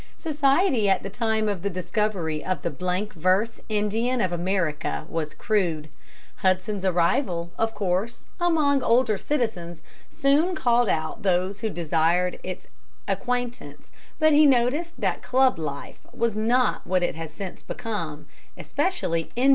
Society at the time of the discovery of the blank verse Indian of America was crude. Hudson's arrival, of course, among older citizens soon called out those who desired his acquaintance, but he noticed that club life was not what it has since become, especially Indian club life.